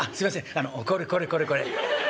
あのこれこれこれこれ」。